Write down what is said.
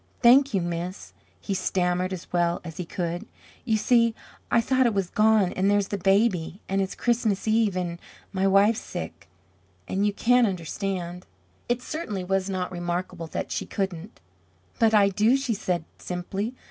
"Thank you, miss," he stammered as well as he could. "You see, I thought it was gone and there's the baby and it's Christmas Eve and my wife's sick and you can't understand " It certainly was not remarkable that she couldn't. "But I do," she said, simply.